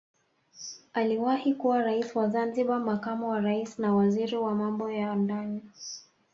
Aliwahi kuwa rais wa Zanzibar makamu wa rais na waziri wa Mambo ya ndani